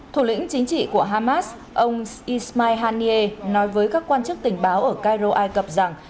thủ lĩnh chính trị của hamas ông ismai haniye nói với các quan chức tình báo ở cairo ai cập rằng